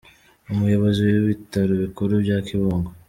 Umuyobozi w’ibitaro bikuru bya Kibungo,